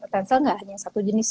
tensel nggak hanya satu jenis